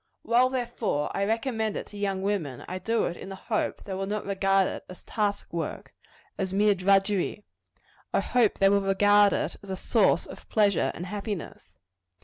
While, therefore, I recommend it to young women, I do it in the hope that they will not regard it as task work as mere drudgery. I hope they will regard it as a source of pleasure and happiness.